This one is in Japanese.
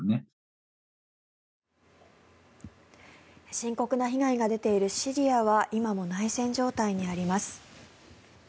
深刻な被害が出ているシリアは今も内戦状態にあります。